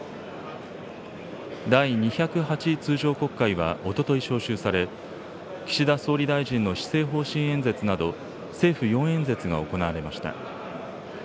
第２０８通常国会はおととい召集され、岸田総理大臣の施政方針演説など、政府４演説が行われました。